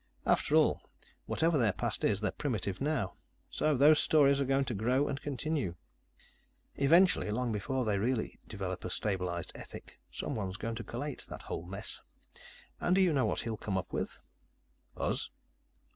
After all, whatever their past is, they're primitive now. So those stories are going to grow and continue. Eventually, long before they really develop a stabilized ethic, someone's going to collate that whole mess. And do you know what he'll come up with?" "Us?"